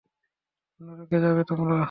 নরকে যাবে তোমরা!